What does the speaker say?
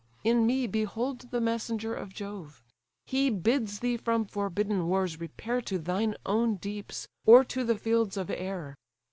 In me behold the messenger of Jove: He bids thee from forbidden wars repair To thine own deeps, or to the fields of air.